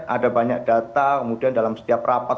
ada banyak data kemudian dalam setiap rapat